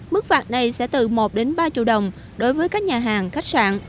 mức phạt này sẽ từ một đến ba triệu đồng đối với các nhà hàng khách sạn